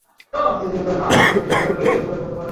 পৃথিবীর অনেক দেশ আছে যেখানে নারীরা ভূমির মালিক হতে পারেন না।